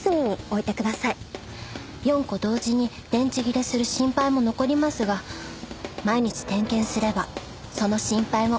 ４個同時に電池切れする心配も残りますが毎日点検すればその心配もほぼなくなります。